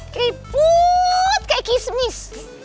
keriput kayak kismis